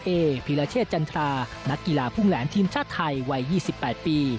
พีรเชษจันทรานักกีฬาพุ่งแหลนทีมชาติไทยวัย๒๘ปี